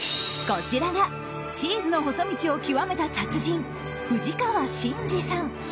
こちらがチーズの細道を極めた達人、藤川真至さん。